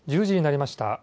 １０時になりました。